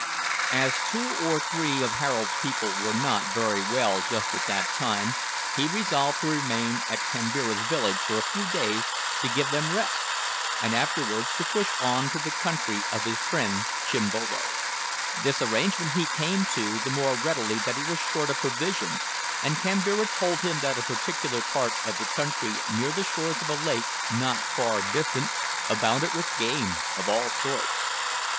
As two or three of Harold's people were not very well just at that time, he resolved to remain at Kambira's village for a few days to give them rest, and afterwards to push on to the country of his friend Chimbolo. This arrangement he came to the more readily that he was short of provisions, and Kambira told him that a particular part of the country near the shores of a lake not far distant abounded with game of all sorts.